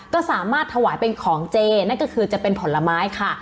ก็สามารถถวายเป็นของเจนั่นก็คือจะเป็นผลไม้ค่ะ